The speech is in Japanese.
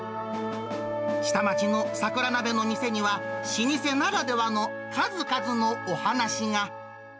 下町の桜なべの店には老舗ならではの数々のお話が。